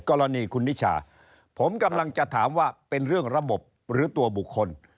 กรณีคุณนิชาผมกำลังจะถามว่าเป็นเรื่องระบบหรือตัวบุคคล